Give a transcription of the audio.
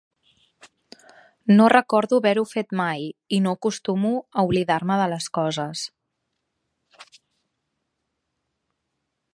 No recordo haver-ho fet mai i no acostumo a oblidar-me de les coses.